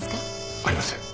ありません。